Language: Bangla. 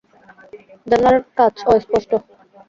জানালার কাঁচ অস্পষ্ট।